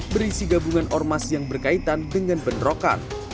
berisi gabungan ormas yang berkaitan dengan bentrokan